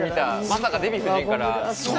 まさかデヴィ夫人から。